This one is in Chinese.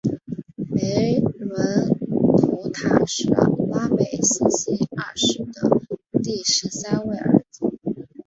梅伦普塔是拉美西斯二世的第十三位儿子。